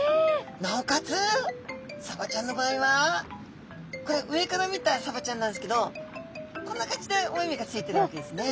なおかつサバちゃんの場合はこれは上から見たサバちゃんなんですけどこんな感じでお目々がついているわけですね。